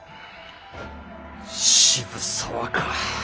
渋沢か。